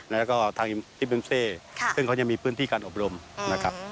แล้วก็ทางอิมทิเบนเซซึ่งเขายังมีพื้นที่การอบรมนะครับ